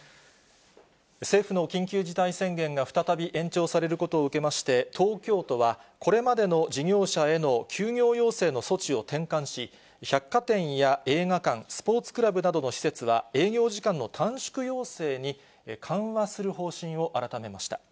政府の緊急事態宣言が再び延長されることを受けまして、東京都はこれまでの事業者への休業要請の措置を転換し、百貨店や映画館、スポーツクラブなどの施設は、営業時間の短縮要請に緩和する方針を改めました。